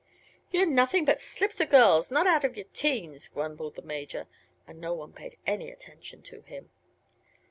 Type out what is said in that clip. "You're nothing but slips o' girls, not out of your teens," grumbled the Major. And no one paid any attention to him.